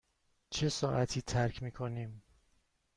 چه ساعتی ترک می کنیم؟